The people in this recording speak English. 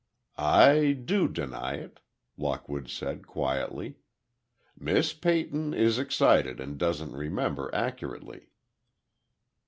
"I do deny it," Lockwood said, quietly. "Miss Peyton is excited and doesn't remember accurately."